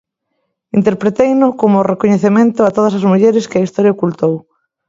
Interpreteino como o recoñecemento a todas as mulleres que a historia ocultou.